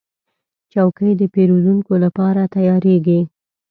چوکۍ د پیرودونکو لپاره تیارېږي.